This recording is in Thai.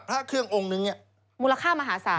พระเครื่ององค์นึงเนี่ยมูลค่ามหาศาล